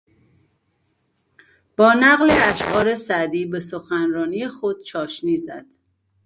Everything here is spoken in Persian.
با نقل اشعار سعدی به سخنرانی خود چاشنی زد.